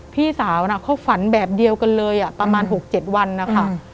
พี่สาวเขาฝันแบบเดียวกันเลยประมาณ๖๗วันนะคะ